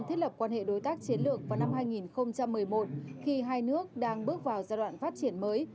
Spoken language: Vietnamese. thiết lập quan hệ đối tác chiến lược vào năm hai nghìn một mươi một khi hai nước đang bước vào giai đoạn phát triển mới